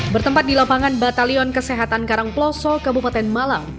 bertempat di lapangan batalion kesehatan karangploso kabupaten malang